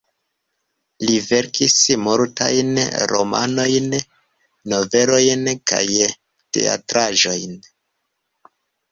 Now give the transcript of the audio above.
Li verkis multajn romanojn, novelojn kaj teatraĵojn.